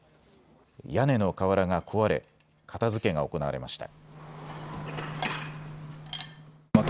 屋根の瓦が壊れ片づけが行われました。